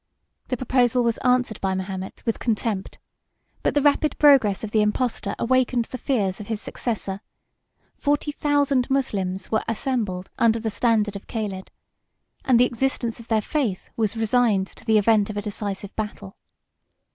The proposal was answered by Mahomet with contempt; but the rapid progress of the impostor awakened the fears of his successor: forty thousand Moslems were assembled under the standard of Caled; and the existence of their faith was resigned to the event of a decisive battle.